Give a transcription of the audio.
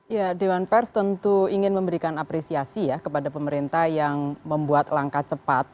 ya dewan pers tentu ingin memberikan apresiasi ya kepada pemerintah yang membuat langkah cepat